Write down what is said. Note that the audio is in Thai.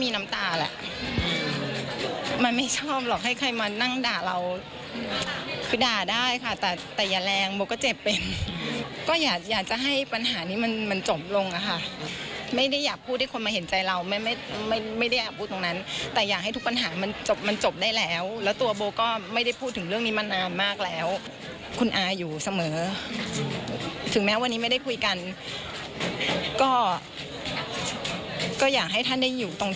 มีน้ำตาแหละมันไม่ชอบหรอกให้ใครมานั่งด่าเราคือด่าได้ค่ะแต่แต่อย่าแรงโบก็เจ็บเป็นก็อย่าอยากจะให้ปัญหานี้มันมันจบลงอะค่ะไม่ได้อยากพูดให้คนมาเห็นใจเราไม่ไม่ไม่ได้อยากพูดตรงนั้นแต่อยากให้ทุกปัญหามันจบมันจบได้แล้วแล้วตัวโบก็ไม่ได้พูดถึงเรื่องนี้มานานมากแล้วคุณอาอยู่เสมอถึงแม้วันนี้ไม่ได้คุยกันก็ก็อยากให้ท่านได้อยู่ตรง